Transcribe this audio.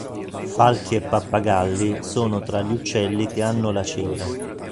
Falchi e pappagalli sono tra gli uccelli che hanno la cera.